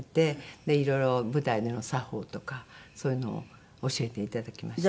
でいろいろ舞台での作法とかそういうのを教えていただきました。